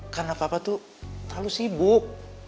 karena papa tuh terlalu sibuk